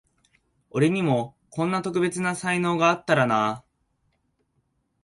俺にもこんな特別な才能あったらなあ